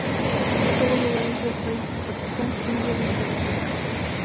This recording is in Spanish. Tuvo lugar en tres países: Pakistán, India y Sri Lanka.